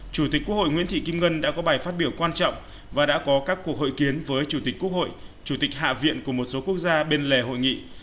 chủ tịch quốc hội nguyễn thị kim ngân đã có bài phát biểu quan trọng và đã có các cuộc hội kiến với chủ tịch quốc hội chủ tịch hạ viện của một số quốc gia bên lề hội nghị